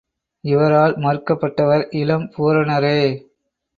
இவரால் மறுக்கப்பட்டவர் இளம்பூரணரே.